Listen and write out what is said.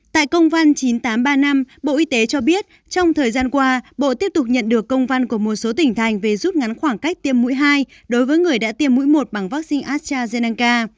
tại công văn chín nghìn tám trăm ba mươi năm bộ y tế cho biết trong thời gian qua bộ tiếp tục nhận được công văn của một số tỉnh thành về rút ngắn khoảng cách tiêm mũi hai đối với người đã tiêm mũi một bằng vaccine astrazeneca